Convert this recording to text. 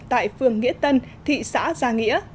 tại phường nghĩa tân thị xã gia nghĩa